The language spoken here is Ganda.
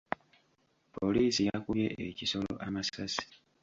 Poliisi yakubye ekisolo amasasi.